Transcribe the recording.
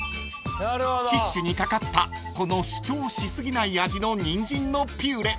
［キッシュに掛かったこの主張し過ぎない味のにんじんのピューレ］